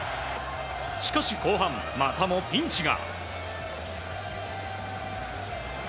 しかし後半、またもピンチが。